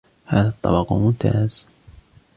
هذا الطبق ممتاز.